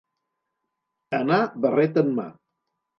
Anar barret en mà.